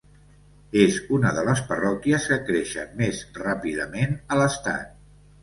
És una de les parròquies que creixen més ràpidament a l'estat.